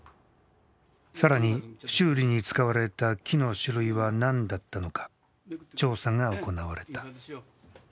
更に修理に使われた木の種類は何だったのか調査が行われた。